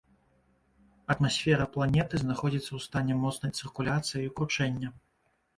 Атмасфера планеты знаходзіцца ў стане моцнай цыркуляцыі і кручэння.